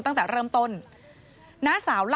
ตั้งแต่เริ่มต้น